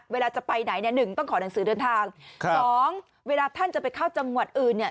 เวลาจะไปไหนเนี่ยหนึ่งต้องขอหนังสือเดินทางครับสองเวลาท่านจะไปเข้าจังหวัดอื่นเนี่ย